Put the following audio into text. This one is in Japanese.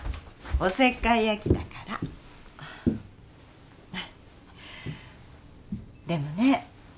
おせっかい焼きだからでもね